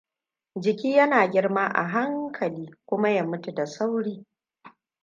Jiki yana girma a hankali kuma ya mutu da sauri.